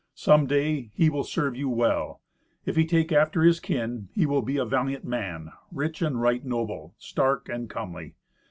Some day he will serve you well. If he take after his kin, he will be a valiant man, rich and right noble, stark and comely.